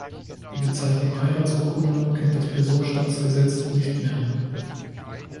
Die Bezeichnung "Heiratsurkunde" kennt das Personenstandsgesetz nicht mehr.